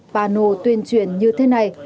và nổ tuyên truyền như thế này